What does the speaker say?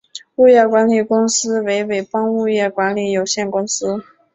物业管理公司为伟邦物业管理有限公司。